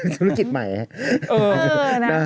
ธุรกิจใหม่นะ